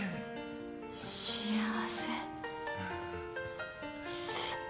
幸せ。